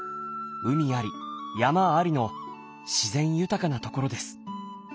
海あり山ありの自然豊かな所です。